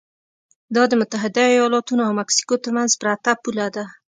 دا د متحده ایالتونو او مکسیکو ترمنځ پرته پوله ده.